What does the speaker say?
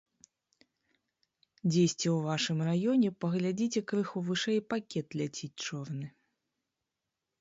Дзесьці ў вашым раёне паглядзіце крыху вышэй пакет ляціць чорны.